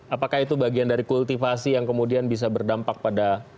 apakah itu bagian dari kultivasi yang kemudian bisa diperhatikan